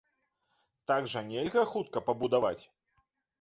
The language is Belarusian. Так жа нельга хутка пабудаваць.